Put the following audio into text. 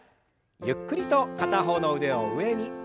ゆっくりと片方の腕を上に。